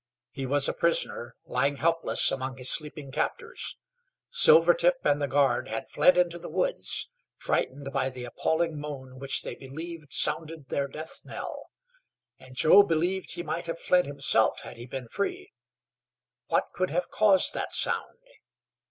He was a prisoner, lying helpless among his sleeping captors. Silvertip and the guard had fled into the woods, frightened by the appalling moan which they believed sounded their death knell. And Joe believed he might have fled himself had he been free. What could have caused that sound?